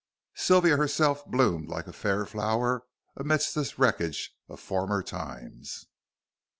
Sylvia herself bloomed like a fair flower amidst this wreckage of former times.